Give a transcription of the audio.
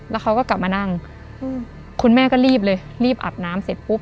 แล้วเขาก็กลับมานั่งอืมคุณแม่ก็รีบเลยรีบอาบน้ำเสร็จปุ๊บ